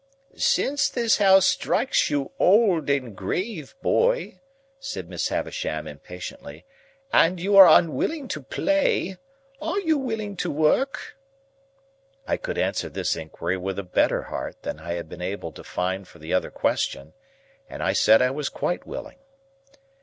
"Since this house strikes you old and grave, boy," said Miss Havisham, impatiently, "and you are unwilling to play, are you willing to work?" I could answer this inquiry with a better heart than I had been able to find for the other question, and I said I was quite willing.